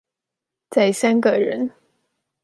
再三個人